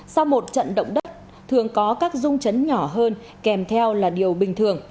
sau một trận động đất thường có các rung chấn nhỏ hơn kèm theo là điều bình thường